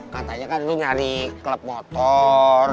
katanya kan dulu nyari klub motor